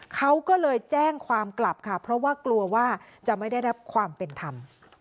เขาก็เลยแจ้งความกลับค่ะเพราะว่ากลัวว่าจะไม่ได้รับความเป็นธรรม